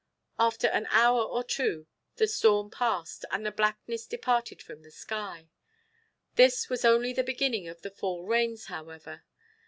After an hour or two the storm passed by, and the blackness departed from the sky. This was only the beginning of the fall rains, however.